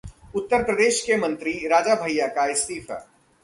उत्तर प्रदेश के मंत्री राजा भैया का इस्तीफा